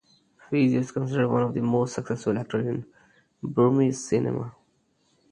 Phyo is considered one of the most successful actor in Burmese cinema.